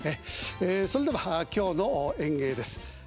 それでは今日の演芸です。